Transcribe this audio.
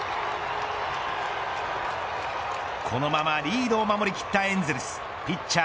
このままリードを守り切ったエンゼルスピッチャー